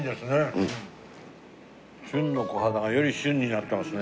旬のコハダがより旬になってますね。